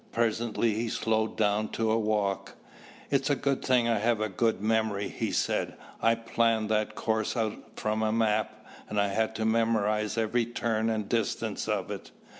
Presently he slowed down to a walk. "It's a good thing I have a good memory," he said. "I planned that course out from a map, and I had to memorize every turn and distance of it.